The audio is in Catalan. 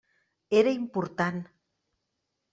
Era important.